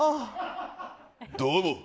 どうも！